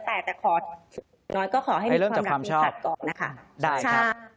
แต่ขอให้มีความรักมีความชอบก่อนนะคะ